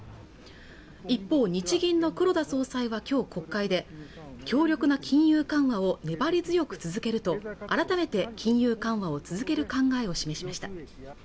一方日銀の黒田総裁は今日国会で強力な金融緩和を粘り強く続けると改めて金融緩和を続ける考えを示しました